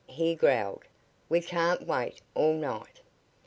he growled. "We can't wait all night."